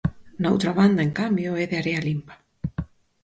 Na outra banda, en cambio, é de area limpa.